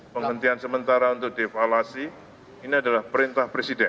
penghentian sementara untuk devalasi ini adalah perintah presiden